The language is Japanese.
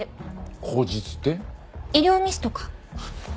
医療ミスとか。